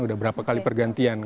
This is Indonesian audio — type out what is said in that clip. sudah berapa kali pergantian